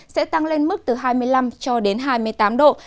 sẽ tăng lên mức từ hai mươi năm cho đến hai mươi tám độ